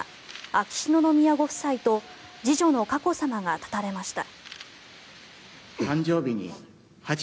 秋篠宮ご夫妻と次女の佳子さまが立たれました。